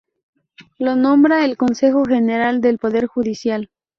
Lo nombra el Consejo General del Poder Judicial.